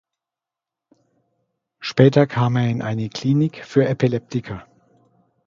Später kam er in eine Klinik für Epileptiker.